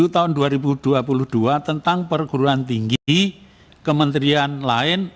dan anggaran ke tujuh tahun dua ribu dua puluh dua tentang perguruan tinggi di kementerian lain